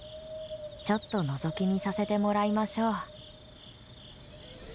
ちょっとのぞき見させてもらいましょう。